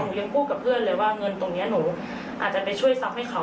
ยังพูดกับเพื่อนเลยว่าเงินตรงนี้หนูอาจจะไปช่วยทรัพย์ให้เขา